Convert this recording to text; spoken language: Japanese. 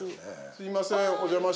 すいません。